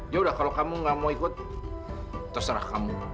ya udah kalau kamu gak mau ikut terserah kamu